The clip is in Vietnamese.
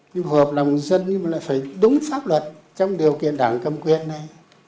nhưng hợp lòng dân nhưng mà lại phải đúng pháp luật trong điều kiện đảng cầm quyền này